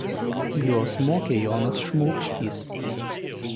Juos mokė Jonas Šmulkštys.